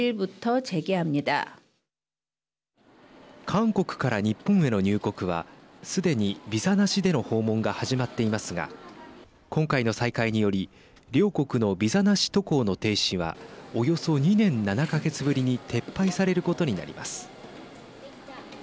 韓国から日本への入国はすでにビザなしでの訪問が始まっていますが今回の再開により、両国のビザなし渡航の停止はおよそ２年７か月ぶりに撤廃されることになります。